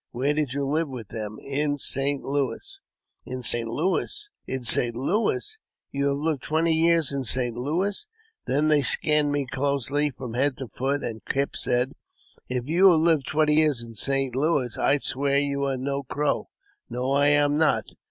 " Where did you live with them ?"" In St. Louis." "In St. Louis ! in St. Louis ! You have Hved twenty years in St. Louis !" Then they scanned me closely from head to foot, and Kipp said, '' If you have lived twenty years in St. Louis, I'll swear you are no Crow." " No, I am not."